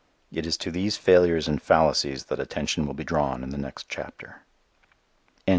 It is to these failures and fallacies that attention will be drawn in the next chapter. _III.